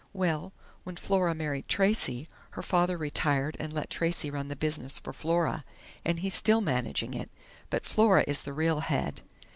Well, when Flora married Tracey, her father retired and let Tracey run the business for Flora, and he's still managing it, but Flora is the real head....